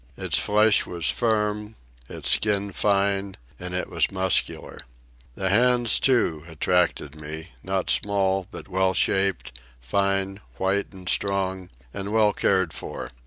Its flesh was firm, its skin fine, and it was muscular. The hands, too, attracted me—not small, but well shaped, fine, white and strong, and well cared for.